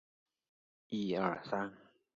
汉默史密斯是伦敦的一大波兰人聚居地。